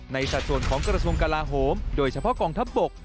สัดส่วนของกระทรวงกลาโหมโดยเฉพาะกองทัพบก